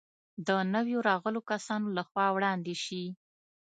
د نویو راغلو کسانو له خوا وړاندې شي.